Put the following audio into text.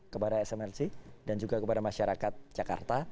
kepada smrc dan juga kepada masyarakat jakarta